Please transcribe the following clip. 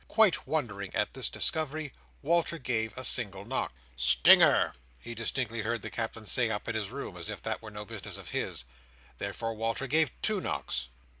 Quite wondering at this discovery, Walter gave a single knock. "Stinger," he distinctly heard the Captain say, up in his room, as if that were no business of his. Therefore Walter gave two knocks.